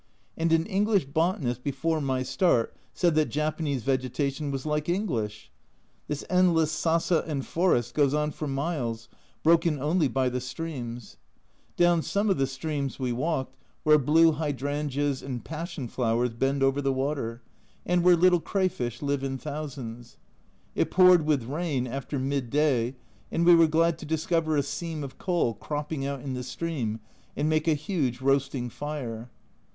And an English botanist before my start said that Japanese vegetation was like English ! This endless sasa and forest goes on for miles, broken only by the streams. Down some of the 2O A Journal from Japan streams we walked, where blue hydrangeas and passion flowers bend over the water, and where little crayfish live in thousands. It poured with rain after mid day, and we were glad to discover a seam of coal cropping out in the stream, and make a huge roasting fire.